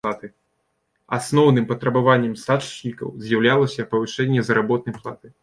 Асноўным патрабаваннем стачачнікаў з'яўлялася павышэнне заработнай платы.